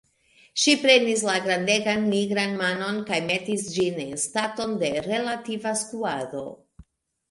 Ŝi prenis la grandegan nigran manon kaj metis ĝin en staton de relativa skuado.